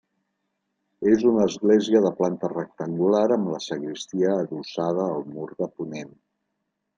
És una església de planta rectangular amb la sagristia adossada al mur de ponent.